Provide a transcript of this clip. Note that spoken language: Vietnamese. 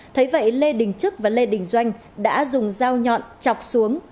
thế vậy lê đình trức và lê đình doanh đã dùng dao nhọn chọc xuống